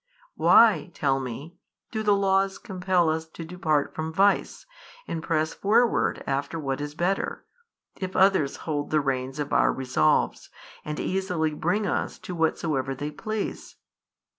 Why (tell me) do the laws compel us to depart from vice, and press forward after what is better, if others hold the reins of our resolves, and easily bring us to whatsoever they please?